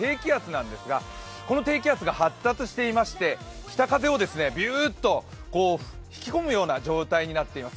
これ、低気圧なんですが、この低気圧が発達していまして北風をびゅーっと引き込むような状態になっています。